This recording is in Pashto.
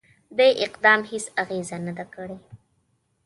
دې اقدام هیڅ اغېزه نه ده کړې.